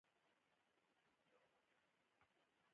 د استوا خط د ځمکې په ګرځېدونکي محور باندې عمود دی